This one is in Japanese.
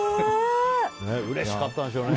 うれしかったんでしょうね。